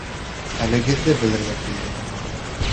Хәлегеҙҙе белергә килдем.